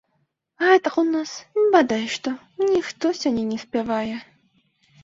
Гэтак у нас, бадай што, ніхто сёння не спявае.